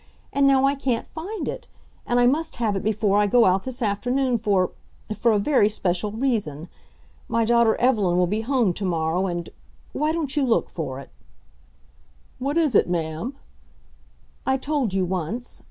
And now I can't find it, and I must have it before I go out this afternoon for for a very special reason. My daughter Evelyn will be home to morrow and why don't you look for it?" "What is it, ma'am?" "I told you once.